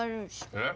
えっ？